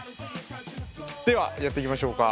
ではやっていきましょうか。